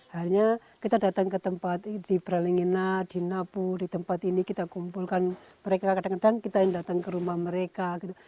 hanya kita datang ke tempat di pralingena di napu di tempat ini kita kumpulkan mereka kadang kadang kita yang datang ke rumah mereka gitu